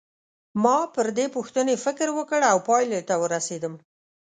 ما پر دې پوښتنې فکر وکړ او پایلې ته ورسېدم.